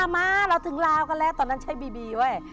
มาเราถึงลาวกันแล้วตอนนั้นใช้บีบีเว้ย